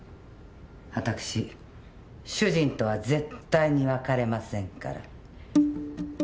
私主人とは絶対に別れませんから。